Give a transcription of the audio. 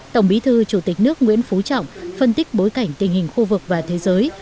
tổng bí thư chủ tịch nước nguyễn phú trọng phân tích bối cảnh tình hình khu vực và thế giới